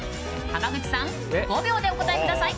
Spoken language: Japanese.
濱口さん、５秒でお答えください。